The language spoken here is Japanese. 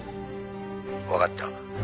「わかった。